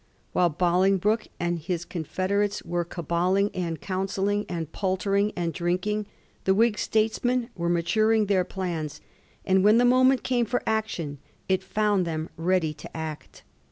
While Boling broke and his confederates were caballing and counselling, and paltering and drinking, the Whig statesmen were maturing their plans, and when the moment came for action it found them ready to act.